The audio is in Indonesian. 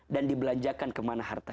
dan dibelanjakan ke mana harta